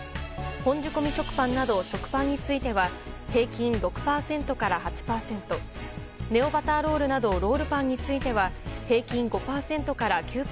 本仕込食パンなど食パンについては平均６％から８％ネオバターロールなどロールパンについては平均５％から９％